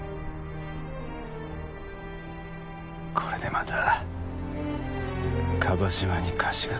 これでまた椛島に貸しが作れる。